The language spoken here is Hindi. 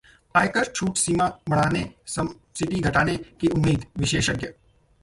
आयकर छूट सीमा बढ़ने, सब्सिडी घटने की उम्मीद: विशेषज्ञ